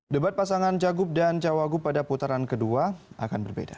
debat pasangan cagup dan cawagup pada putaran kedua akan berbeda